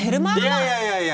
いやいやいやいや。